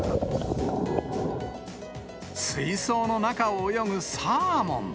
水槽の中を泳ぐサーモン。